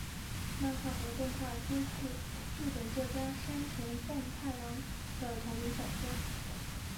漫画和动画皆自日本作家山田风太郎的同名小说。